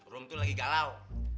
rum tuh lagi galau